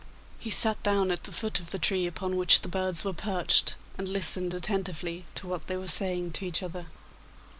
He sat down at the foot of the tree upon which the birds were perched, and listened attentively to what they were saying to each other.